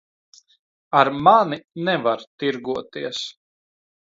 Ar mani nevar tirgoties.